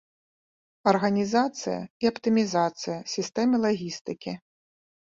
Арганізацыя і аптымізацыя сістэмы лагістыкі.